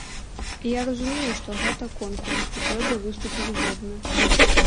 Я разумею, што гэта конкурс, і трэба выступіць годна.